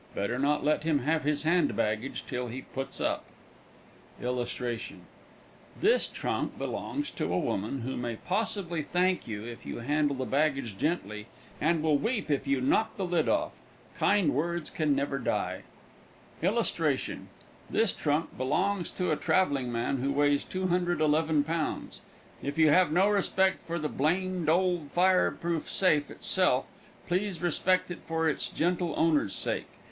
Better not let him have his hand baggage till he puts up. This trunk belongs to a woman who may possibly thank you if you handle the baggage gently and will weep if you knock the lid off. Kind words can never die. (N. B. Nyether can they procure groceries.) This trunk belongs to a traveling man who weighs 211 pounds. If you have no respect for the blamed old fire proof safe itself, please respect it for its gentle owner's sake.